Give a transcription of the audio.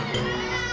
aku mau pergi